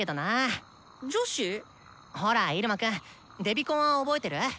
ほらイルマくんデビコンは覚えてる？